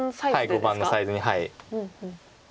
はい碁盤のサイズに。